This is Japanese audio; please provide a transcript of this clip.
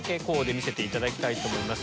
見せていただきたいと思います